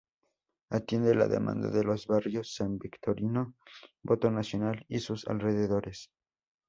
Atiende la demanda de los barrios San Victorino, Voto Nacional y sus alrededores.